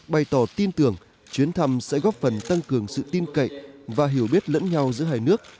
bày tỏ tin tưởng chuyến thăm sẽ góp phần tăng cường sự tin cậy và hiểu biết lẫn nhau giữa hai nước